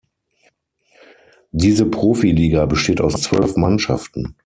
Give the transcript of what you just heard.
Diese Profiliga besteht aus zwölf Mannschaften.